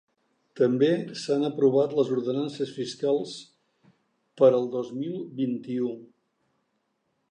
També s’han aprovat les ordenances fiscals per al dos mil vint-i-u.